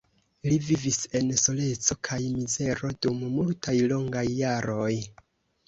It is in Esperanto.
Li vivis en soleco kaj mizero dum multaj longaj jaroj.